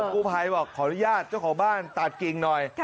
กู้ไพบอกฝ่าลุยาชอย่าบ้านตัดกิ่งหน่อย